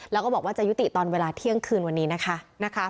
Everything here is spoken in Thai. แล้วก็บอกว่าจะยุติตอนเวลาเที่ยงคืนวันนี้นะคะ